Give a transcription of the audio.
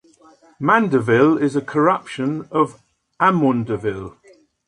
"Mandeville" is a corruption of "Amundeville".